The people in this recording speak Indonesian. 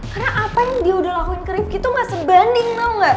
karena apa yang dia udah lakuin ke rifki tuh gak sebanding tau gak